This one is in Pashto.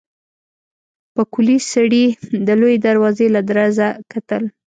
پکولي سړي د لويې دروازې له درزه کتل.